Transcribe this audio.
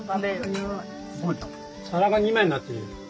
皿が２枚になってるよ。